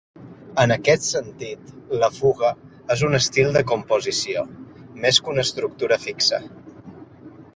En aquest sentit, la fuga és un estil de composició, més que una estructura fixa.